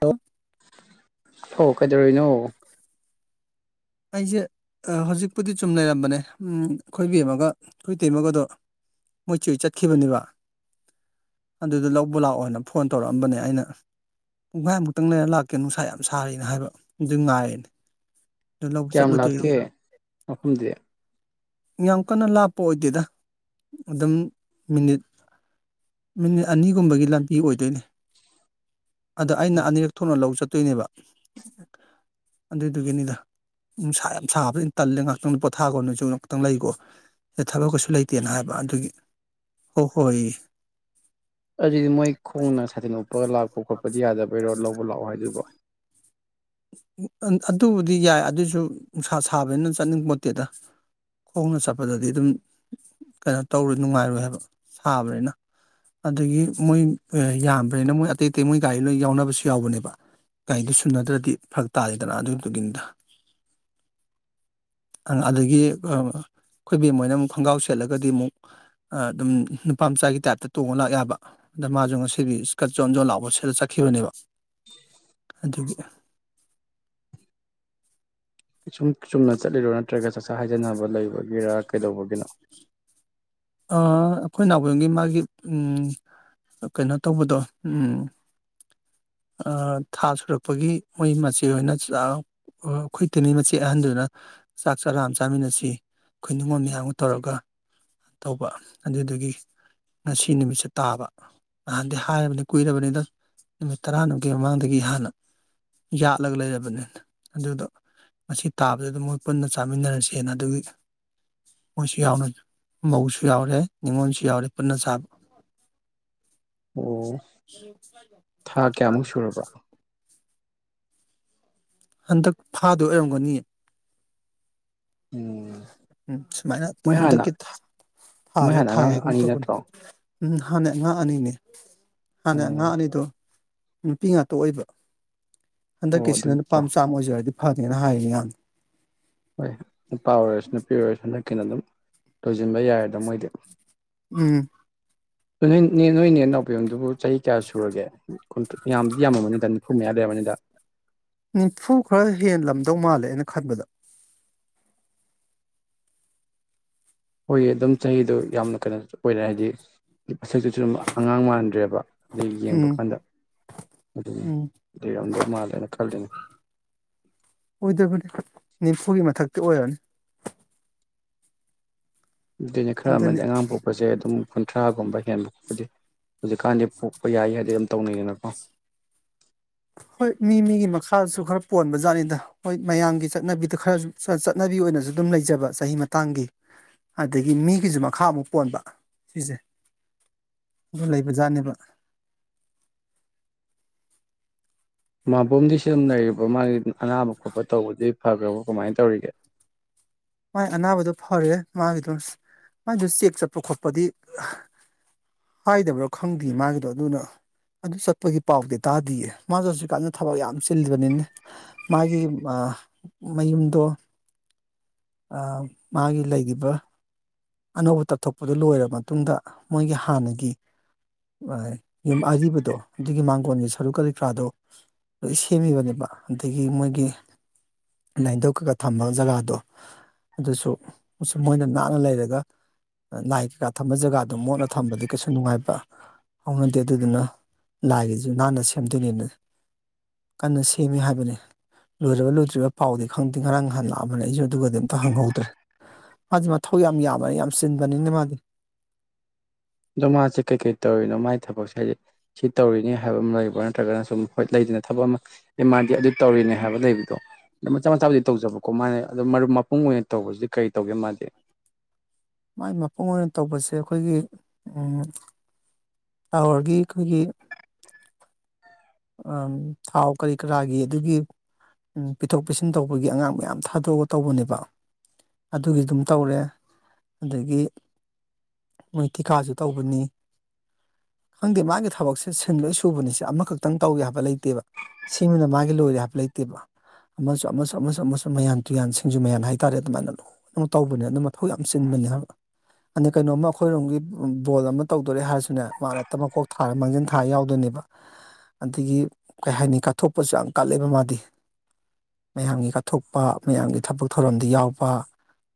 ꯂꯣ ꯍꯣ ꯀꯩꯗꯧꯔꯤꯅꯣ ꯑꯩꯁꯦ ꯍꯧꯖꯤꯛꯄꯨꯗꯤ ꯆꯨꯝ ꯂꯩꯔꯝꯕꯅꯦ ꯈꯣꯏꯕꯦꯝꯃꯒ ꯈꯣꯏ ꯇꯩꯃꯒꯗꯣ ꯃꯣꯏꯆꯦ ꯍꯣꯏ ꯆꯠꯈꯤꯕꯅꯦꯕ ꯑꯗꯨꯗ ꯂꯧꯕ ꯂꯥꯛꯑꯣꯅ ꯐꯣꯟ ꯇꯧꯔꯛꯑꯝꯕꯅꯦ ꯑꯩꯅ ꯄꯨꯡꯈꯥꯏ ꯑꯃꯨꯛꯇꯪ ꯂꯩꯔ ꯂꯥꯛꯀꯦ ꯅꯨꯡꯁꯥ ꯌꯥꯝ ꯁꯥꯔꯤꯅ ꯍꯥꯏꯕ ꯑꯗꯨ ꯉꯥꯏꯔꯦꯅꯦ ꯑꯗꯨ ꯂꯧꯕ ꯀꯌꯥꯝ ꯆꯠꯂꯨꯗꯣꯏ ꯂꯥꯛꯀꯦ ꯃꯐꯝꯗꯤ ꯌꯥꯝ ꯀꯟꯅ ꯂꯥꯞꯄ ꯑꯣꯏꯗꯦꯗ ꯑꯗꯨꯝ ꯃꯤꯅꯤꯠ ꯃꯤꯅꯤꯠ ꯑꯅꯤꯒꯨꯝꯕꯒꯤ ꯂꯝꯕꯤ ꯑꯣꯏꯗꯣꯏꯅꯦ ꯑꯗ ꯑꯩꯅ ꯑꯅꯤꯔꯛ ꯊꯣꯛꯅ ꯂꯎ ꯆꯠꯇꯣꯏꯅꯦꯕ ꯑꯗꯨꯗꯨꯒꯤꯅꯤꯗ ꯅꯨꯡꯁꯥ ꯌꯥꯝ ꯁꯥꯕꯖꯤ ꯇꯜꯂꯦ ꯉꯥꯏꯍꯛꯇꯪ ꯄꯣꯊꯥꯒꯣ ꯅꯣꯏꯁꯨ ꯉꯥꯛꯇꯪ ꯂꯩꯒꯣ ꯊꯕꯛ ꯀꯩꯁꯨ ꯂꯩꯇꯦꯅ ꯍꯥꯏꯕ ꯑꯗꯨꯒꯤ ꯍꯣ ꯍꯣꯏ ꯑꯗꯨꯗꯤ ꯃꯣꯏ ꯈꯣꯡꯅ ꯁꯥꯇꯤꯟ ꯎꯞꯄꯒ ꯂꯥꯛꯄ ꯈꯣꯠꯄꯗꯤ ꯌꯥꯗꯕꯩꯔꯣ ꯂꯧꯕ ꯂꯥꯛꯑꯣ ꯍꯥꯏꯗꯨꯕꯣ ꯑꯗꯨꯕꯨꯗꯤ ꯌꯥꯏ ꯑꯗꯨꯏꯖꯨ ꯅꯨꯡꯁꯥ ꯁꯥꯕꯅꯤꯅ ꯆꯠꯅꯤꯡꯕꯄꯣꯠꯇꯦꯗ ꯈꯣꯡꯅ ꯆꯠꯄꯗꯗꯤ ꯑꯗꯨꯝ ꯀꯩꯅꯣ ꯇꯧꯔꯣꯏ ꯅꯨꯡꯉꯥꯏꯔꯣꯏ ꯍꯥꯏꯕ ꯁꯥꯕꯅꯤꯅ ꯑꯗꯒꯤ ꯃꯣꯏ ꯌꯥꯝꯕꯅꯤꯅ ꯃꯣꯏ ꯑꯇꯩ ꯑꯇꯩ ꯃꯣꯏ ꯒꯥꯔꯤ ꯂꯣꯏ ꯌꯥꯎꯅꯕꯁꯨ ꯌꯥꯎꯕꯅꯦꯕ ꯒꯔꯤꯗꯣ ꯁꯨꯅꯗ꯭ꯔꯗꯤ ꯐꯔꯛ ꯇꯥꯔꯦꯗꯅ ꯑꯗꯨꯗꯨꯒꯤꯅꯤꯗ ꯑꯗꯥꯒꯤ ꯈꯣꯏ ꯕꯦꯝꯃ ꯈꯣꯏꯅ ꯑꯃꯨꯛ ꯈꯣꯡꯒ꯭ꯔꯥꯎ ꯁꯦꯠꯂꯒꯗꯤ ꯃꯨꯛ ꯑꯗꯨꯝ ꯅꯨꯄꯥ ꯃꯆꯥꯒꯤ ꯇꯥꯏꯞꯇ ꯇꯣꯡꯉ ꯂꯥꯛ ꯌꯥꯕ ꯑꯗꯥ ꯃꯥꯖꯨ ꯉꯁꯤꯗꯤ ꯁꯀꯠ ꯖꯣꯟꯖꯣꯟ ꯂꯥꯎꯕ ꯁꯦꯠꯂ ꯆꯠꯈꯤꯕꯅꯦꯕ ꯑꯗꯨꯒꯤ ꯁꯨꯝ ꯆꯨꯝꯅ ꯆꯠꯂꯤꯔꯣ ꯅꯠꯇ꯭ꯔꯒ ꯆꯥꯛꯆꯥ ꯍꯥꯏꯖꯅꯕ ꯂꯩꯕꯒꯤꯔꯥ ꯀꯩꯗꯧꯕꯒꯤꯅꯣ ꯑꯥ ꯑꯩꯈꯣꯏ ꯅꯥꯎꯕꯦꯝꯒꯤ ꯃꯥꯒꯤ ꯎꯝ ꯀꯩꯅꯣ ꯇꯧꯕꯗꯣ ꯎꯝ ꯊꯥ ꯁꯨꯔꯛꯄꯒꯤ ꯃꯣꯏ ꯃꯆꯦ ꯍꯣꯏꯅ [unintelligible] ꯈꯣꯏꯇꯣꯅꯤ ꯃꯆꯦ ꯑꯍꯟꯗꯨꯅ ꯆꯥꯛ ꯆꯔꯥ ꯑꯃ ꯆꯥꯃꯤꯟꯅꯁꯤ ꯈꯣꯏ ꯅꯤꯉꯣꯟ ꯃꯌꯥꯝꯒ ꯇꯧꯔꯒ ꯇꯧꯕ ꯑꯗꯨꯗꯒꯤ ꯉꯁꯤ ꯅꯨꯃꯤꯠꯁꯦ ꯇꯥꯕ ꯅꯍꯥꯟꯗꯩ ꯍꯥꯏꯔꯕꯅꯤ ꯀꯨꯏꯔꯕꯅꯤꯗ ꯅꯨꯃꯤꯠ ꯇꯔꯥꯅꯤꯛꯀꯤ ꯃꯃꯥꯡꯗꯒꯤ ꯍꯥꯟꯅ ꯌꯥꯠꯂꯒ ꯂꯩꯔꯕꯅꯤ ꯑꯗꯨꯗꯣ ꯉꯁꯤ ꯇꯥꯕꯗꯨꯗ ꯃꯣꯏ ꯄꯨꯟꯅ ꯆꯥꯃꯤꯟꯅꯔꯁꯦꯅ ꯑꯗꯨꯒꯤ ꯃꯣꯏꯁꯨ ꯌꯥꯎꯅ ꯃꯧꯁꯨ ꯌꯥꯎꯔꯦ ꯅꯤꯉꯣꯟꯁꯨ ꯌꯥꯎꯔꯦ ꯄꯨꯟꯅ ꯆꯕ ꯑꯣ ꯊꯥ ꯀꯌꯥꯃꯨꯛ ꯁꯨꯔꯕ ꯍꯟꯗꯛ ꯐꯥꯗꯣꯏ ꯑꯣꯏꯔꯝꯒꯅꯤꯌꯦ ꯎꯝ ꯎꯝ ꯁꯨꯃꯥꯏꯅ ꯃꯣꯏ ꯍꯥꯟꯅ ꯍꯟꯗꯛꯀꯤ ꯃꯣꯏ ꯊꯥꯖꯤꯗ ꯍꯥꯟꯅ ꯊꯥꯏ ꯑꯉꯥꯡ ꯍꯥꯏꯒꯨꯝ ꯑꯅꯤ ꯇꯧꯕꯅꯦ ꯅꯠꯇ꯭ꯔꯣ ꯎꯝ ꯍꯥꯟꯅ ꯑꯉꯥꯡ ꯑꯅꯤꯅꯦ ꯍꯥꯅ ꯎꯝ ꯑꯉꯥꯡ ꯑꯅꯤꯗꯨ ꯅꯨꯄꯤ ꯉꯥꯛꯇ ꯑꯣꯏꯕ ꯑꯣ ꯍꯟꯗꯛꯀꯤꯁꯤꯅ ꯅꯨꯄꯥ ꯑꯗꯨꯒꯤꯀꯣ ꯃꯆꯥ ꯑꯃ ꯑꯣꯏꯖꯔꯗꯤ ꯐꯅꯦꯅ ꯍꯥꯏ ꯌꯥꯝ ꯍꯣꯏ ꯅꯨꯄꯥ ꯑꯣꯏꯔꯁꯨ ꯅꯨꯄꯤ ꯑꯣꯏꯔꯁꯨ ꯍꯟꯗꯛꯀꯤꯅ ꯑꯗꯨꯝ ꯂꯣꯏꯁꯤꯟꯕ ꯌꯥꯔꯦꯗ ꯃꯣꯏꯗꯤ ꯎꯝ ꯅꯣꯏꯅꯦ ꯅꯥꯎꯕꯦꯝꯗꯨꯕꯨ ꯆꯍꯤ ꯀꯌꯥ ꯁꯨꯔꯒꯦ ꯀꯨꯟ ꯌꯥꯝꯗꯤ ꯌꯥꯝꯃꯅꯤꯗ ꯅꯤꯐꯨ ꯃꯌꯥ ꯂꯩꯔꯝꯃꯅꯤꯗ ꯅꯤꯐꯨ ꯈꯔ ꯍꯦꯜꯂꯝꯗꯧ ꯃꯥꯜꯂꯦ ꯑꯩꯅ ꯈꯟꯕꯗ ꯍꯣꯏꯒꯤ ꯑꯗꯨꯝ ꯆꯍꯤꯗꯣ ꯌꯥꯝꯅ ꯀꯩꯅꯣꯁꯨ ꯑꯣꯏꯔꯦ ꯍꯥꯏꯗꯤ ꯃꯁꯛꯇꯨꯁꯨ ꯑꯗꯨꯝ ꯑꯉꯥꯡ ꯃꯥꯟꯗ꯭ꯔꯦꯕ ꯑꯗꯩ ꯌꯦꯡꯕ ꯎꯝ ꯀꯥꯟꯗ ꯑꯗꯨ ꯎꯝ ꯂꯤꯔꯝꯗꯧ ꯃꯥꯜꯂꯦꯅ ꯈꯜꯂꯤꯅꯦ ꯑꯣꯏꯗꯕꯅꯤ ꯅꯤꯝꯐꯨꯒꯤ ꯃꯊꯛꯇꯤ ꯑꯣꯏꯔꯅꯤ ꯑꯗꯨꯅꯦ ꯈꯔ ꯑꯗꯨꯅꯤ ꯑꯃꯗꯤ ꯑꯉꯥꯡ ꯄꯣꯛꯄꯁꯦ ꯑꯗꯨꯝ ꯀꯨꯟꯊ꯭ꯔꯥꯒꯨꯝꯕ ꯍꯦꯟꯕ ꯈꯣꯠꯄꯗꯤ ꯍꯨꯖꯤꯛꯀꯥꯟꯗꯤ ꯄꯣꯛꯄ ꯌꯥꯏ ꯌꯗꯦ ꯌꯥꯝ ꯇꯧꯅꯩꯗꯅꯀꯣ ꯍꯣꯏ ꯃꯤ ꯃꯤꯒꯤ ꯃꯈꯥꯁꯨ ꯈꯔ ꯄꯣꯟꯕꯖꯥꯠꯅꯤꯗ ꯍꯣꯏ ꯃꯌꯥꯝꯒꯤ ꯆꯠꯅꯕꯤꯗ ꯈꯔꯁꯨ ꯆꯠꯅꯕꯤ ꯑꯣꯏꯅꯁꯨ ꯑꯗꯨꯝ ꯂꯩꯖꯕ ꯆꯍꯤ ꯃꯇꯥꯡꯒꯤ ꯑꯗꯒꯤ ꯃꯤꯒꯤꯖꯨ ꯃꯈꯥ ꯑꯃꯨꯛ ꯄꯣꯟꯕ ꯁꯤꯖꯦ ꯑꯗꯨ ꯂꯩꯕ ꯖꯥꯠꯅꯦꯕ ꯃꯥꯕꯣꯝꯗꯤ ꯁꯤꯗꯥ ꯑꯗꯨꯝ ꯂꯩꯔꯤꯕ ꯃꯥꯒꯤ ꯑꯅꯥꯕ ꯈꯣꯠꯄ ꯇꯧꯕꯗꯤ ꯐꯈ꯭ꯔꯕ ꯀꯃꯥꯏꯅ ꯇꯧꯔꯤꯒꯦ ꯃꯥꯥꯏ ꯑꯅꯥꯕꯗꯣ ꯐꯔꯦ ꯃꯥꯒꯤꯗꯣ ꯃꯥꯏꯗꯨ ꯆꯦꯛ ꯆꯠꯄ ꯈꯣꯠꯄꯗꯤ ꯍꯥꯏꯗꯕ꯭ꯔꯥ ꯈꯪꯗꯦ ꯃꯥꯒꯤꯗꯣ ꯑꯗꯨꯅ ꯑꯗꯨ ꯆꯠꯄꯒꯤ ꯄꯥꯎꯗꯤ ꯇꯥꯗꯤꯌꯦ ꯃꯥꯗꯣ ꯍꯥꯁꯤꯛꯀꯥꯟꯗ ꯊꯕꯛ ꯌꯥꯝ ꯆꯤꯜꯂꯤꯕꯅꯤꯅꯦ ꯃꯥꯒꯤ ꯃꯥ ꯃꯌꯨꯝꯗꯣ ꯑꯥ ꯃꯥꯒꯤ ꯂꯩꯔꯤꯕ ꯑꯅꯧꯕ ꯇꯞꯊꯣꯛꯄꯗꯨ ꯂꯣꯏꯔꯥ ꯃꯇꯨꯡꯗ ꯃꯣꯏꯒꯤ ꯍꯥꯟꯅꯒꯤ ꯌꯨꯝ ꯑꯔꯤꯕꯗꯣ ꯑꯗꯨꯒꯤ ꯃꯥꯡꯒꯣꯟꯒꯤ ꯁꯔꯨꯛ ꯀꯔꯤ ꯀꯔꯥꯗꯣ ꯂꯣꯏ ꯁꯦꯝꯃꯤꯕ ꯅꯤꯄꯥ ꯑꯗꯒꯤ ꯃꯣꯏꯒꯤ ꯂꯥꯏꯟꯗꯧ ꯀꯒ ꯊꯝꯕ ꯖꯒꯥꯗꯣ ꯑꯗꯨꯁꯨ ꯎꯁꯨ ꯃꯣꯏꯅ ꯅꯥꯟꯅ ꯂꯩꯔ ꯗꯥ ꯂꯥꯏ ꯀꯩꯀꯥ ꯊꯝꯕ ꯖꯒꯥꯗꯣ ꯃꯣꯠꯅ ꯊꯝꯕꯗꯤ ꯀꯩꯁꯨ ꯅꯨꯡꯉꯥꯏꯕ꯭ꯔꯥ ꯍꯧꯎꯅꯗꯦ ꯑꯗꯨꯗꯨꯅ ꯂꯥꯏꯒꯤꯁꯨ ꯅꯥꯟꯅ ꯁꯦꯝꯗꯣꯏꯅꯦꯅ ꯀꯟꯅ ꯁꯦꯝꯃꯦ ꯍꯥꯏꯕꯅꯦ ꯂꯣꯏꯔꯕ ꯂꯣꯏꯗ꯭ꯔꯤꯕ ꯄꯥꯎꯗꯤ ꯈꯪꯗꯦ ꯉꯔꯥꯡ ꯅꯍꯥꯟ ꯂꯥꯛꯑꯝꯕꯅꯤ ꯑꯩꯁꯨ ꯑꯗꯨꯒꯗꯤ ꯑꯝꯇ ꯍꯪꯍꯧꯗ꯭ꯔꯦ ꯃꯥꯗꯤ ꯃꯊꯧ ꯌꯥꯝ ꯌꯥꯝꯕꯅꯤ ꯌꯥꯝ ꯆꯤꯟꯕꯅꯤꯅ ꯃꯥꯗꯤ ꯑꯗꯣ ꯃꯥꯁꯦ ꯀꯩꯀꯩ ꯇꯧꯔꯤꯅꯣ ꯃꯥꯏ ꯊꯕꯛꯁꯦ ꯍꯥꯏꯗꯤ ꯁꯤ ꯇꯧꯔꯤꯅꯤ ꯍꯥꯏꯕ ꯑꯃ ꯂꯩꯕ꯭ꯔꯥ ꯅꯠꯇ꯭ꯔꯒꯅ ꯁꯨꯝ ꯍꯣꯏ ꯂꯩꯗꯅ ꯊꯕꯛ ꯑꯃ ꯑꯦ ꯃꯥꯗꯤ ꯑꯗꯨ ꯇꯧꯔꯤꯅꯦ ꯍꯥꯏꯕ ꯂꯩꯕꯗꯣ ꯑꯗꯨ ꯃꯆꯥ ꯃꯆꯥꯕꯨꯗꯤ ꯇꯧꯖꯕꯀꯣ ꯃꯥꯅꯦ ꯑꯗꯣ ꯃꯔꯨꯞ ꯃꯄꯨꯡ ꯑꯣꯏꯅ ꯇꯧꯕꯁꯤꯗꯤ ꯀꯔꯤ ꯇꯧꯒꯦ ꯃꯥꯗꯤ ꯃꯥꯏ ꯃꯄꯨꯡ ꯑꯣꯏꯅ ꯇꯧꯕꯁꯦ ꯑꯩꯈꯣꯏꯒꯤ ꯎꯡ ꯇꯥꯋꯔꯒꯤ ꯑꯩꯈꯣꯏꯒꯤ ꯑꯡ ꯊꯥꯎ ꯀꯔꯤ ꯀꯔꯥꯒꯤ ꯑꯗꯨꯒꯤ ꯎꯝ ꯄꯤꯊꯣꯛ ꯄꯤꯁꯤꯟ ꯇꯧꯕꯒꯤ ꯑꯉꯥꯡ ꯃꯌꯥꯝ ꯊꯥꯗꯣꯛꯑꯒ ꯇꯧꯕꯅꯦꯕ ꯑꯗꯨꯒꯤꯗꯨꯝ ꯇꯧꯔꯦ ꯑꯗꯒꯤ ꯃꯣꯏ ꯊꯤꯀꯥꯁꯨ ꯇꯧꯕꯅꯤ ꯈꯪꯗꯦ ꯃꯥꯒꯤ ꯊꯕꯛꯁꯦ ꯁꯤꯟ ꯂꯣꯏ ꯁꯨꯕꯅꯤꯁꯦ ꯑꯃꯈꯛ ꯈꯤꯇꯪ ꯇꯧꯋꯤ ꯍꯥꯏꯕ ꯂꯩꯇꯦꯕ ꯁꯤꯃꯅ ꯃꯥꯒꯤ ꯂꯣꯏꯔꯦ ꯍꯥꯏꯕ ꯂꯩꯇꯦꯕ ꯑꯃꯁꯨ ꯑꯃꯁꯨ ꯑꯃꯁꯨ ꯑꯃꯁꯨ ꯃꯌꯥꯟ ꯇꯨꯌꯥꯟ ꯁꯤꯡꯖꯨ ꯃꯌꯥꯟ ꯍꯥꯏꯇꯥꯔꯦ ꯑꯗꯨꯃꯥꯏꯅ ꯂ ꯇꯧꯕꯅꯦ ꯑꯗꯨ ꯃꯊꯧ ꯌꯥꯝ ꯆꯤꯟꯕꯅꯦ ꯍꯥꯏꯕ ꯑꯗ ꯀꯩꯅꯣꯃ ꯑꯩꯈꯣꯏꯔꯣꯝꯒꯤ ꯕꯣꯜ ꯑꯃ ꯇꯧꯗꯣꯔꯦ ꯍꯥꯏꯔꯁꯅꯦ ꯃꯥꯅ ꯍꯦꯛꯇ ꯃꯀꯣꯛ ꯊꯥꯔ ꯃꯥꯡꯖꯤꯟ ꯊꯥ ꯊꯥ ꯌꯥꯎꯗꯣꯏꯅꯦꯕ ꯑꯗꯒꯤ ꯀꯩ ꯍꯥꯏꯅꯤ ꯀꯠꯊꯣꯛꯄꯁꯨ ꯌꯥꯝ ꯀꯜꯂꯦꯕ ꯃꯥꯗꯤ ꯃꯌꯥꯝꯒꯤ ꯀꯠꯊꯣꯛꯄ ꯃꯌꯥꯝꯒꯤ ꯊꯕꯛ ꯊꯧꯔꯝꯗ ꯌꯥꯎꯕ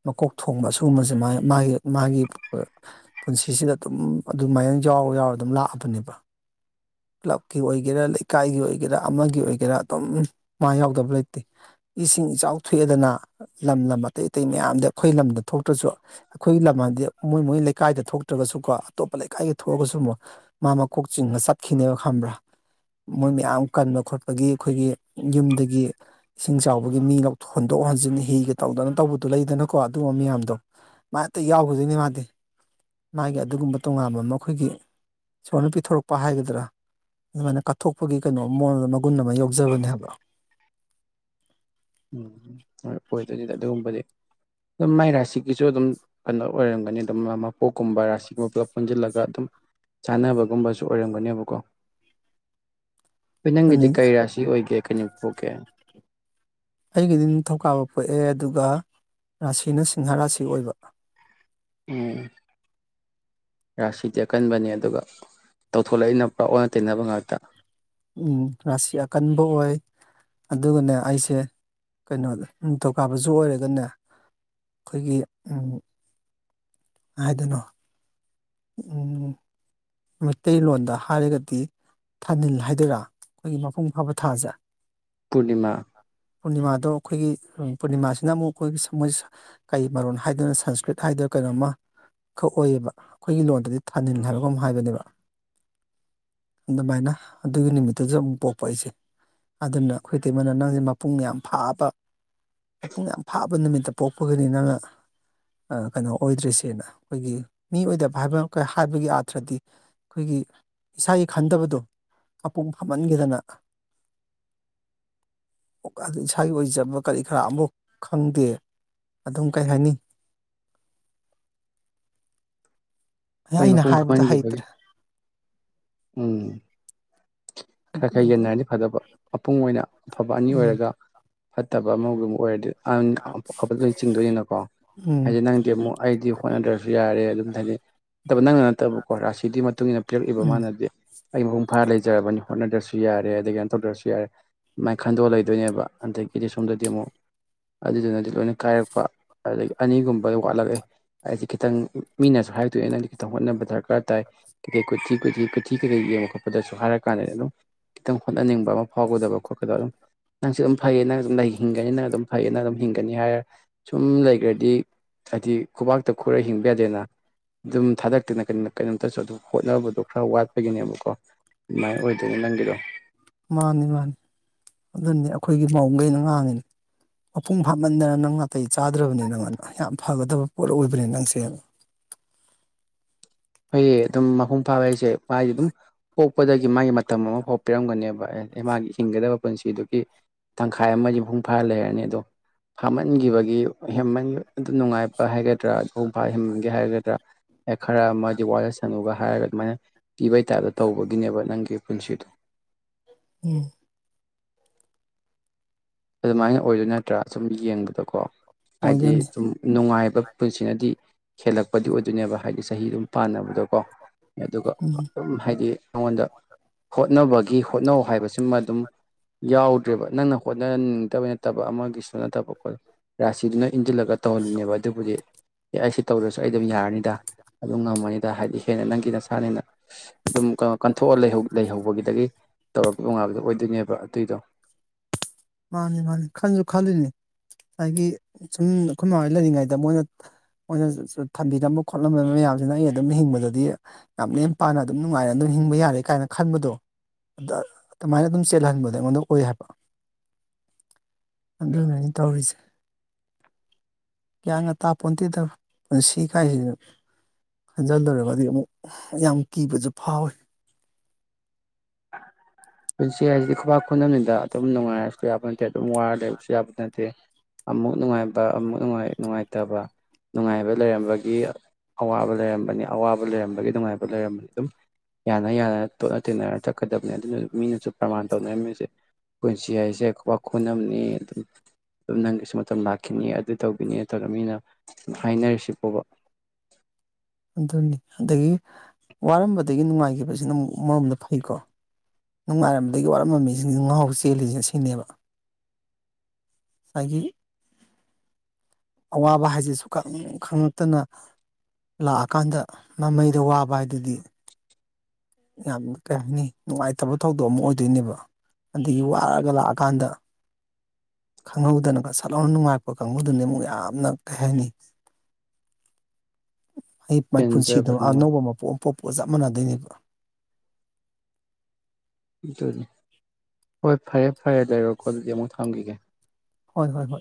ꯃꯀꯣꯛ ꯊꯣꯡꯕ ꯑꯁꯤꯒꯨꯝꯕꯁꯤ ꯃꯥ ꯃꯥꯒꯤ ꯃꯥꯒꯤ ꯄꯨꯟꯁꯤꯁꯤꯗ ꯑꯗꯨꯝ ꯑꯗꯨꯃꯥꯏꯅ ꯌꯥꯎꯔ ꯌꯥꯎꯔ ꯑꯗꯨꯝ ꯂꯥꯛꯑꯕꯅꯦꯕ ꯀ꯭ꯂꯕꯀꯤ ꯑꯣꯏ ꯑꯣꯏꯒꯦꯔꯥ ꯂꯩꯀꯥꯏꯒꯤ ꯑꯣꯏꯒꯦꯔꯥ ꯑꯃꯒꯤ ꯑꯣꯏꯒꯦꯔꯥ ꯑꯗꯨꯝ ꯃꯥ ꯌꯥꯎꯗꯕ ꯂꯩꯇꯦ ꯏꯁꯤꯡ ꯏꯆꯥꯎ ꯊꯣꯛꯑꯦꯗꯅ ꯂꯝ ꯂꯝ ꯑꯇꯩ ꯑꯇꯩ ꯃꯌꯥꯝꯗ ꯑꯩꯈꯣꯏ ꯂꯝꯗ ꯊꯣꯛꯇ꯭ꯔꯁꯨ ꯑꯩꯈꯣꯏꯒꯤ ꯂꯝ ꯍꯥꯏꯗꯤ ꯃꯣꯏ ꯃꯣꯏ ꯂꯩꯀꯥꯏꯗ ꯊꯣꯛꯇ꯭ꯔꯒꯁꯨꯀꯣ ꯑꯇꯣꯞꯄ ꯂꯩꯀꯥꯏꯗ ꯊꯣꯛꯑꯒꯁꯨ ꯑꯃꯨꯛ ꯃꯥ ꯃꯀꯣꯛ ꯆꯤꯡꯉ ꯆꯠꯈꯤꯅꯦꯕ ꯈꯪꯕ꯭ꯔꯥ ꯃꯣꯏ ꯃꯌꯥꯝ ꯀꯟꯕ ꯈꯣꯠꯄꯒꯤ ꯑꯩꯈꯣꯏꯒꯤ ꯌꯨꯝꯗꯒꯤ ꯏꯁꯤꯡ ꯆꯥꯎꯕꯒꯤ ꯃꯤ ꯂꯧ ꯍꯣꯟꯗꯣꯛ ꯍꯣꯟꯖꯤꯟ ꯍꯤꯒ ꯇꯧꯗꯅ ꯇꯧꯕꯗꯣ ꯂꯩꯗꯅꯀꯣ ꯑꯗꯨꯒꯨꯝꯕ ꯃꯌꯥꯝꯗꯣ ꯃꯥ ꯍꯦꯛꯇ ꯌꯥꯎꯒꯤꯗꯣꯏꯅꯤ ꯃꯥꯗꯤ ꯃꯥꯒꯤ ꯑꯗꯨꯒꯨꯝꯕ ꯇꯣꯉꯥꯟꯕ ꯑꯃ ꯑꯩꯈꯣꯏꯒꯤ ꯏꯁꯣꯔꯅ ꯄꯤꯊꯣꯔꯛꯄ ꯍꯥꯏꯒꯗ꯭ꯔꯥ ꯑꯗꯨꯃꯥꯏꯅ ꯀꯠꯊꯣꯛꯄꯒꯤ ꯀꯩꯅꯣ ꯃꯑꯣꯟꯗ ꯃꯒꯨꯟ ꯑꯃ ꯌꯥꯎꯖꯕꯅꯦꯕ ꯎꯝ ꯍꯣꯏ ꯑꯣꯏꯗꯣꯏꯅꯤꯗ ꯑꯗꯨꯒꯨꯝꯕꯗꯤ ꯑꯗꯨꯝ ꯃꯥꯏ ꯔꯥꯁꯤꯒꯤꯁꯨ ꯑꯗꯨꯝ ꯀꯩꯅꯣ ꯑꯣꯏꯔꯝꯒꯅꯤ ꯑꯗꯨꯝ ꯃꯄꯣꯛꯀꯨꯝꯕ ꯔꯥꯁꯤꯒꯨꯝꯕ ꯄꯨꯂꯞ ꯄꯨꯟꯁꯤꯜꯂꯒ ꯒꯥ ꯑꯗꯨꯝ ꯆꯥꯅꯕꯒꯨꯝꯕꯁꯨ ꯑꯣꯏꯔꯝꯒꯅꯦꯕꯀꯣ ꯍꯣꯏ ꯅꯪꯒꯤꯗꯤ ꯑꯗꯨꯅ ꯀꯔꯤ ꯔꯥꯁꯤ ꯑꯣꯏꯒꯦ ꯀꯩ ꯅꯨꯃꯤꯠ ꯄꯣꯛꯀꯦ ꯑꯩꯒꯤꯗꯤ ꯅꯤꯡꯊꯧꯀꯥꯕ ꯄꯣꯛꯑꯦ ꯑꯗꯨꯒ ꯔꯥꯁꯤꯅ ꯁꯤꯡꯍꯥ ꯔꯥꯁꯤ ꯑꯣꯏꯕ ꯎꯝ ꯔꯥꯁꯤꯗꯤ ꯑꯀꯟꯕꯅꯤ ꯑꯗꯨꯒ ꯇꯧꯊꯣꯂꯛꯏ ꯅ ꯄꯨꯔꯥ ꯑꯣꯏꯅ ꯇꯩꯅꯕ ꯉꯥꯛꯇ ꯎꯝ ꯔꯥꯁꯤ ꯑꯀꯟꯕ ꯑꯣꯏ ꯑꯗꯨꯒꯅꯦ ꯑꯩꯁꯦ ꯀꯩꯅꯣꯗ ꯅꯤꯡꯊꯧꯀꯥꯕꯁꯨ ꯑꯣꯏꯔꯒꯅꯦ ꯑꯩꯈꯣꯏꯒꯤ ꯎꯝ ꯍꯥꯏꯗꯣꯅꯣ ꯎꯝ ꯃꯩꯇꯩꯂꯣꯟꯗ ꯍꯥꯏꯔꯒꯗꯤ ꯊꯥꯅꯤꯜ ꯍꯥꯏꯗꯣꯏꯔꯥ ꯑꯩꯈꯣꯏꯒꯤ ꯃꯄꯨꯡ ꯐꯥꯕ ꯊꯥꯖ ꯄꯨꯔꯅꯤꯃꯥ ꯄꯨꯔꯅꯤꯃꯥꯗꯣ ꯑꯈꯣꯏꯒꯤ ꯎꯡ ꯄꯨꯔꯅꯤꯃꯥꯁꯤꯅ ꯑꯃꯨꯛ ꯈꯣꯏꯒꯤ [unintelligible] ꯀꯩ ꯃꯔꯣꯟ ꯍꯥꯏꯗꯨꯅ ꯁꯪꯁꯀ꯭ꯔꯤꯠ ꯍꯥꯏꯗꯣꯢꯔꯣ ꯀꯩꯅꯣꯝꯃ ꯈꯛ ꯑꯣꯏꯑꯕ ꯈꯣꯏꯒꯤ ꯂꯣꯟꯗꯗꯤ ꯊꯥꯅꯤꯜ ꯍꯥꯏꯕ ꯀꯩꯅꯣꯝ ꯍꯥꯏꯕꯅꯦꯕ ꯑꯗꯨꯃꯥꯏꯅ ꯑꯗꯨꯒꯤ ꯅꯨꯃꯤꯠꯇꯖꯨ ꯑꯃꯨꯛ ꯄꯣꯛꯄ ꯑꯩꯁꯦ ꯑꯗꯨꯅ ꯈꯣꯏ ꯏꯇꯩꯃꯅ ꯅꯪꯖꯦ ꯃꯄꯨꯡ ꯌꯥꯝ ꯐꯥꯕ ꯃꯄꯨꯡ ꯌꯥꯝ ꯐꯥꯕ ꯅꯨꯃꯤꯠꯇ ꯄꯣꯛꯄꯒꯅꯤ ꯅꯪꯅ ꯑꯥ ꯀꯩꯅꯣ ꯑꯣꯏꯗ꯭ꯔꯤꯁꯦꯅ ꯑꯩꯈꯣꯏꯒꯤ ꯃꯤ ꯑꯣꯏꯗꯕ ꯍꯥꯏꯕ ꯍꯥꯏꯕꯒꯤ ꯑꯥꯠ ꯊꯔꯗꯤ ꯈꯣꯏꯒꯤ ꯏꯁꯥꯒꯤ ꯈꯟꯗꯕꯗꯣ ꯃꯄꯨꯡ ꯐꯥꯃꯟꯒꯤꯗꯅ [inaudible] [unintelligible] ꯏꯁꯥꯒꯤ ꯑꯣꯏꯖꯕ ꯀꯔꯤ ꯀꯔꯥ ꯑꯝꯕꯣꯛ ꯈꯪꯗꯦ ꯑꯗꯨꯝ ꯀꯩ ꯍꯥꯏꯅꯤ ꯍꯣꯏ ꯑꯩꯅ ꯃꯄꯨꯡ ꯍꯥꯏꯕꯗ ꯐꯥꯃꯟꯒꯤꯕꯒꯤ ꯍꯩꯇ꯭ꯔꯦ ꯎꯝ ꯈꯔꯥ ꯈꯔꯥ ꯌꯦꯟꯅꯔꯗꯤ ꯐꯗꯧꯕ ꯃꯄꯨꯡ ꯑꯣꯏꯅ ꯑꯐꯕ ꯑꯅꯤ ꯎꯝ ꯑꯣꯏꯔꯒ ꯐꯠꯇꯕ ꯑꯃꯒꯨꯝꯕ ꯑꯣꯏꯔꯗꯤ [unintelligible] ꯂꯣꯏ ꯆꯤꯡꯗꯣꯏꯅꯤꯅꯀꯣ ꯎꯝ ꯍꯥꯏꯗꯤ ꯅꯪ [unintelligible] ꯑꯩꯗꯤ ꯍꯣꯠꯅꯗ꯭ꯔꯁꯨ ꯌꯥꯔꯦ ꯑꯗꯨꯝꯇꯅꯤ ꯅꯠꯇꯕ ꯅꯪꯅ ꯅꯠꯇꯕꯀꯣ ꯔꯥꯁꯤꯗꯨꯢ ꯃꯇꯨꯡ ꯏꯟꯅ ꯄꯤꯔꯛꯏꯕ ꯎꯝ ꯃꯥꯅꯗꯤ ꯑꯩ ꯃꯄꯨꯡ ꯐꯥꯅ ꯂꯩꯖꯔꯕꯅꯤ ꯍꯣꯠꯅꯗ꯭ꯔꯁꯨ ꯌꯥꯔꯦ ꯑꯗꯒꯤ ꯀꯩꯅꯣ ꯇꯧꯗꯔꯁꯨ ꯌꯥꯔꯦ ꯑꯗꯨꯃꯥꯏ ꯈꯟꯗꯣꯛꯑ ꯂꯩꯗꯣꯏꯅꯦꯕ ꯑꯗꯒꯤꯗꯤ ꯁꯣꯝꯗꯗꯤ ꯑꯃꯨꯛ ꯑꯗꯨꯗꯨꯅꯗꯤ ꯂꯣꯏꯅ ꯀꯥꯏꯔꯛꯄ ꯑꯗꯨꯗꯒꯤ ꯑꯅꯤꯒꯨꯝꯕ ꯋꯥꯠꯂꯛꯑꯦ ꯑꯩꯖꯦ ꯈꯤꯇꯪ ꯃꯤꯅꯁꯨ ꯍꯥꯏꯔꯛꯇꯣꯏꯅꯦ ꯅꯪꯗꯤ [unintelligible] ꯍꯣꯠꯅꯕ ꯗꯔꯀꯥꯔ ꯇꯥꯏ ꯀꯩꯀꯩ ꯀꯨꯊꯤ ꯀꯨꯊꯤ ꯀꯨꯊꯤ ꯀꯩꯀꯩ ꯌꯦꯡꯕ ꯈꯣꯠꯄꯗꯁꯨ ꯍꯥꯏꯔ ꯀꯥꯟꯗ ꯑꯗꯨꯝ ꯈꯤꯇꯪ ꯍꯣꯠꯅꯅꯤꯡꯕ ꯑꯃ ꯐꯥꯎꯒꯗꯕ ꯈꯣꯠꯀꯗꯕ ꯑꯗꯨꯝ ꯅꯪꯁꯦ ꯑꯗꯨꯝ ꯐꯩꯌꯦ ꯅꯪ ꯑꯗꯨꯝ ꯍꯤꯡꯒꯅꯤ ꯅꯪ ꯑꯗꯨꯝ ꯐꯩꯌꯦ ꯅꯪ ꯑꯗꯨꯝ ꯍꯤꯡꯒꯅꯤ ꯍꯥꯏꯔ ꯁꯨꯝ ꯂꯩꯒ꯭ꯔꯗꯤ ꯍꯥꯏꯗꯤ ꯈꯨꯕꯥꯛꯇ ꯈꯨꯔꯥ ꯍꯤꯡꯕ ꯌꯥꯗꯦꯅ ꯑꯗꯨꯝ ꯊꯥꯗꯛꯇꯅ ꯀꯟ ꯀꯩꯅꯣꯝꯇꯁꯨ ꯑꯗꯨ ꯍꯣꯠꯅꯕꯗꯣ ꯈꯔ ꯋꯥꯠꯄꯒꯤꯅꯦꯕꯀꯣ ꯑꯗꯨꯃꯥꯏꯅ ꯑꯣꯏꯗꯣꯏꯅꯦ ꯅꯪꯒꯤꯗꯣ ꯃꯥꯅꯤ ꯃꯥꯅꯤ ꯑꯗꯨꯅꯗꯤ ꯑꯩꯈꯣꯏꯒꯤ ꯃꯧꯒꯩꯅ ꯉꯥꯡꯉꯤꯅꯤ ꯃꯄꯨꯡ ꯐꯥꯃꯟꯗꯅ ꯅꯪ ꯅꯥꯇꯩ ꯆꯥꯗ꯭ꯔꯕꯅꯤ ꯅꯪ ꯑꯅꯥ ꯌꯥꯝ ꯐꯥꯒꯗꯕ ꯄꯣꯠ ꯑꯣꯏꯕꯅꯦ ꯅꯪꯁꯦꯅ ꯐꯩꯌꯦ ꯑꯗꯨꯝ ꯃꯄꯨꯡ ꯐꯥꯕ ꯍꯥꯏꯁꯦ ꯃꯥꯏ ꯑꯗꯨꯝ ꯄꯣꯛꯄꯗꯒꯤ ꯃꯥꯒꯤ ꯃꯇꯝ ꯑꯃ ꯐꯥꯎ ꯄꯤꯔꯝꯒꯅꯦꯕ ꯑꯦ ꯃꯥꯒꯤ ꯍꯤꯡꯒꯗꯕ ꯄꯨꯟꯁꯤꯗꯨꯒꯤ ꯇꯪꯈꯥꯏ ꯑꯃꯗꯤ ꯃꯄꯨꯡ ꯐꯥꯔ ꯂꯩꯔꯅꯤ ꯑꯗꯣ ꯐꯃꯟꯒꯤꯕꯒꯤ ꯍꯦꯟꯃꯟ ꯑꯗꯨ ꯅꯨꯡꯉꯥꯏꯕ ꯍꯥꯏꯒ [unintelligible] ꯈꯔ ꯑꯃ ꯋꯥꯔꯁꯅꯨꯒ ꯍꯥꯏꯔꯒ ꯑꯗꯨꯃꯥꯏꯅ ꯄꯤꯕꯩ ꯇꯥꯏꯞꯇ ꯇꯧꯕꯒꯤꯅꯦꯕ ꯅꯪꯒꯤ ꯄꯨꯟꯁꯤꯗꯣ ꯎꯝ ꯑꯗꯨꯃꯥꯏꯅ ꯑꯣꯏꯗꯣꯏ ꯅꯠꯇ꯭ꯔꯥ ꯁꯨꯝ ꯌꯦꯡꯕꯗꯀꯣ ꯍꯥꯏꯗꯤ ꯑꯣꯏꯗꯣꯏꯅꯤ ꯁꯨꯝ ꯅꯨꯡꯉꯥꯏꯕ ꯄꯨꯟꯁꯤꯅꯗꯤ ꯍꯦꯜꯂꯛꯄꯗꯤ ꯑꯣꯏꯗꯣꯏꯅꯦꯕ ꯍꯥꯏꯗꯤ ꯆꯍꯤ ꯑꯗꯨꯝ ꯄꯥꯟꯅꯕꯗꯣ ꯀꯣ ꯑꯗꯨꯒ ꯎꯝ ꯑꯗꯨꯝ ꯍꯥꯏꯗꯤ ꯑꯩꯉꯣꯟꯗ ꯍꯣꯠꯅꯕꯒꯤ ꯍꯣꯠꯅꯧ ꯍꯥꯏꯕꯁꯤꯃ ꯑꯗꯨꯝ ꯌꯥꯎꯗ꯭ꯔꯦꯕ ꯅꯪꯅ ꯍꯣꯠ [unintelligible] ꯅꯠꯇꯕ ꯑꯃꯒꯤꯁꯨ ꯅꯠꯇꯕ ꯀꯣ ꯔꯥꯁꯤꯗꯨꯅ ꯏꯟꯖꯤꯜꯂꯒ ꯇꯧꯍꯜꯂꯤꯅꯦꯕ ꯑꯗꯨꯕꯨꯗꯤ ꯑꯦ ꯑꯩ ꯁꯤ ꯇꯧꯔꯁꯨ ꯑꯩ ꯑꯗꯨꯝ ꯌꯥꯔꯅꯤꯗ ꯑꯗꯨꯝ ꯉꯝꯃꯅꯤꯗ ꯍꯥꯏꯗꯤ ꯍꯦꯟꯅ ꯅꯪꯒꯤ ꯅꯁꯥꯅꯦꯅ ꯑꯗꯨꯝ ꯀꯟꯊꯣꯛꯑ ꯂꯩꯍꯧ ꯂꯩꯍꯧꯕꯒꯤꯗꯒꯤ ꯇꯧꯔꯛꯄ ꯉꯥꯛꯇ ꯑꯣꯏꯗꯣꯏꯅꯦꯕ ꯑꯗꯨꯏꯗꯣ ꯃꯥꯟꯅꯤ ꯃꯥꯟꯅꯤ ꯈꯟꯖꯨ ꯈꯜꯂꯤꯅꯤ ꯉꯁꯥꯏꯒꯤ ꯁꯨꯝ ꯑꯩꯈꯣꯏ ꯃꯥꯍꯣꯏ ꯂꯩꯔꯤꯉꯩꯗ ꯃꯣꯏꯅ ꯃꯣꯏꯅ ꯊꯝꯕꯤꯔꯝꯕ ꯈꯣꯠꯂꯝ ꯃꯌꯥꯝꯖꯤꯅ ꯑꯩ ꯑꯗꯨꯝ ꯍꯤꯡꯕꯗꯗꯤ ꯌꯥꯝ ꯂꯦꯝ ꯄꯥꯅ ꯑꯗꯨꯝ ꯅꯨꯡꯉꯥꯏꯅ ꯑꯗꯨꯝ ꯍꯤꯡꯕ ꯌꯥꯔꯦ ꯀꯥꯏꯅ ꯈꯟꯕꯗꯣ ꯑꯗ ꯑꯗꯨꯃꯥꯏꯅ ꯑꯗꯨꯝ ꯆꯦꯜꯍꯟꯕꯗꯣ ꯑꯩꯉꯣꯟꯗ ꯑꯣꯏ ꯍꯥꯏꯕ ꯑꯗꯨꯅꯅꯤ ꯇꯧꯔꯤꯁꯦ ꯒ꯭ꯌꯥꯟꯒ ꯇꯥꯄꯣꯟꯇꯦꯗ ꯄꯨꯟꯁꯤ ꯀꯥꯏꯖꯦꯖꯨ ꯍꯟꯖꯟꯂꯨꯔꯒꯗꯤ ꯑꯃꯨꯛ ꯌꯥꯝ ꯀꯤꯕꯁꯨ ꯐꯥꯎꯋꯤ ꯄꯨꯟꯁꯤ ꯍꯥꯏꯁꯤꯗꯤ ꯈꯨꯕꯥꯛ ꯈꯨꯗꯝꯅꯤꯗ ꯑꯗꯨꯝ ꯅꯨꯡꯉꯥꯏꯔꯁꯨ ꯌꯥꯕ ꯅꯠꯇꯦ ꯑꯗꯨꯝ ꯋꯥꯔ ꯂꯩꯕꯁꯨ ꯌꯥꯕ ꯅꯠꯇꯦ ꯑꯃꯨꯛ ꯅꯨꯡꯉꯥꯏꯕ ꯑꯃꯨꯛ ꯅꯨꯡꯉꯥꯏ ꯅꯨꯡꯉꯥꯏꯇꯕ ꯅꯨꯡꯉꯥꯏꯕ ꯂꯩꯔꯝꯕꯒꯤ ꯑꯋꯥꯕ ꯂꯩꯔꯝꯕꯅꯤ ꯑꯋꯥꯕ ꯂꯩꯔꯝꯕꯒꯤ ꯅꯨꯡꯉꯥꯏꯕ ꯂꯩꯔꯝꯕꯅꯤ ꯑꯗꯨꯝ ꯌꯥꯅ ꯌꯥꯅ ꯇꯣꯠꯅ ꯇꯤꯟꯅꯔ ꯆꯠꯀꯗꯕꯅꯤ ꯑꯗꯨꯅ ꯑꯗꯨꯝ ꯃꯤꯅꯁꯨ ꯄ꯭ꯔꯃꯥꯟ ꯇꯧꯅꯔꯝꯃꯤꯁꯦ ꯄꯨꯟꯁꯤ ꯍꯥꯏꯁꯦ ꯈꯨꯕꯥꯛ ꯈꯨꯅꯝꯅꯤ ꯑꯗꯨꯝ ꯑꯗꯨꯝ ꯅꯪꯒꯤꯁꯨ ꯃꯇꯝ ꯂꯥꯛꯈꯤꯅꯤ ꯑꯗꯨ ꯇꯧꯈꯤꯅꯤ ꯇꯧꯔ ꯃꯤꯅ ꯍꯥꯏꯅꯔꯤꯁꯤ ꯕꯨꯕ ꯑꯗꯨꯅꯤ ꯑꯗꯒꯤ ꯋꯥꯔꯝꯕꯗꯒꯤ ꯅꯨꯡꯉꯥꯏꯈꯤꯕꯁꯤꯅ ꯑꯃꯨ ꯑꯃꯔꯣꯝꯗ ꯐꯩꯀꯣ ꯅꯨꯡꯉꯥꯏꯔꯝꯗꯒꯤ ꯋꯥꯠꯔꯝꯕ ꯃꯤꯁꯤꯡꯁꯤ ꯉꯥꯎꯔ ꯆꯦꯜꯂꯤꯁꯦ ꯑꯁꯤꯅꯦꯕ ꯍꯥꯏꯗꯤ ꯑꯋꯥꯕ ꯍꯥꯏꯁꯤ ꯁꯨꯈꯪ ꯈꯪꯉꯛꯇꯅ ꯂꯥꯛꯑꯀꯥꯟꯗ ꯃꯃꯩꯗ ꯋꯥꯕ ꯍꯥꯏꯗꯨꯗꯤ ꯌꯥꯝ ꯀꯩ ꯍꯥꯏꯅꯤ ꯅꯨꯡꯉꯥꯏꯇꯕ ꯊꯧꯗꯣꯛ ꯑꯃ ꯑꯣꯏꯗꯣꯏꯅꯦꯕ ꯑꯗꯒꯤ ꯋꯥꯔꯛꯒ ꯂꯥꯛꯑꯀꯥꯟꯗ ꯈꯪꯍꯧꯗꯅꯒꯁꯠ ꯂꯥꯎꯅ ꯅꯨꯡꯉꯥꯏꯛꯄ ꯀꯥꯡꯒꯨꯗꯨꯅꯦ ꯑꯃꯨꯛ ꯌꯥꯝꯅ ꯀꯩ ꯍꯥꯏꯅꯤ ꯑꯩ ꯃꯥꯏꯄꯨꯟꯁꯤꯗ ꯄꯦꯟꯖꯕ ꯅꯨꯡꯉꯥꯏ ꯑꯅꯧꯕ ꯃꯄꯣ ꯑꯃ ꯄꯣꯛꯄꯒ ꯆꯞ ꯃꯥꯟꯅꯗꯣꯏꯅꯦꯕ ꯑꯗꯨꯅꯤ ꯍꯣꯏ ꯐꯔꯦ ꯐꯔꯦ ꯂꯩꯔꯣꯀꯣ ꯑꯗꯨꯗꯤ ꯑꯃꯨꯛ ꯊꯝꯈꯤꯒꯦ ꯍꯣꯏ ꯍꯣꯏ ꯍꯣꯏ